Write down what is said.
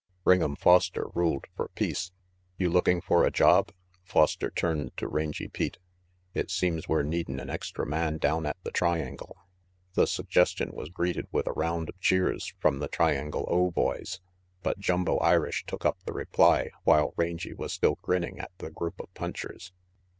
Ring'em Foster ruled for peace. "You looking for a job?" Foster turned to Rangy Pete. "It seems we're needin' an extra man down at the Triangle." The suggestion was greeted with a round of cheers from the Triangle O boys, but Jumbo Irish took up the reply while Rangy was still grinning at the group of punchers.